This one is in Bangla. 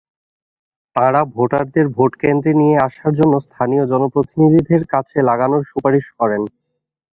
তাঁরা ভোটারদের ভোটকেন্দ্রে নিয়ে আসার জন্য স্থানীয় জনপ্রতিনিধিদের কাজে লাগানোর সুপারিশ করেন।